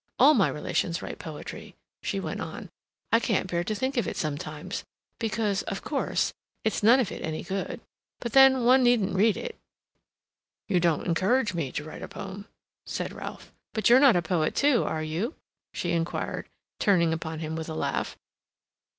All my relations write poetry," she went on. "I can't bear to think of it sometimes—because, of course, it's none of it any good. But then one needn't read it—" "You don't encourage me to write a poem," said Ralph. "But you're not a poet, too, are you?" she inquired, turning upon him with a laugh.